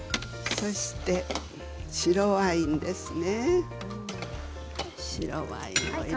そして、白ワインですね。